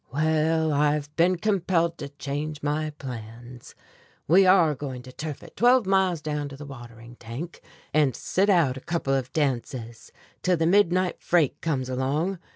Well, I've been compelled to change my plans. We are going to turf it twelve miles down to the watering tank, and sit out a couple of dances till the midnight freight comes along.